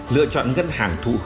bước năm chọn ngân hàng thu khách